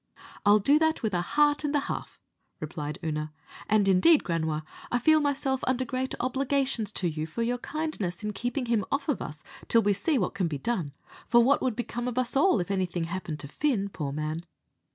"I'll do that with a heart and a half," replied Oonagh; "and, indeed, Granua, I feel myself under great obligations to you for your kindness in keeping him off of us till we see what can be done; for what would become of us all if anything happened Fin, poor man."